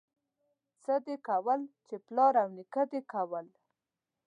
څه دي کول، چې پلار او نيکه دي کول.